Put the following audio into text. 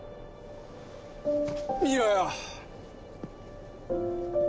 見ろよ。